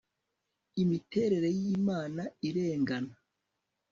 Imiterere yImana irengana